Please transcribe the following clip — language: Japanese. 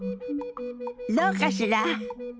どうかしら？